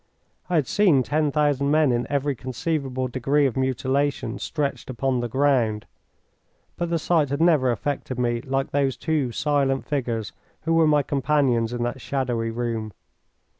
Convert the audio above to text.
I had seen ten thousand men in every conceivable degree of mutilation stretched upon the ground, but the sight had never affected me like those two silent figures who were my companions in that shadowy room.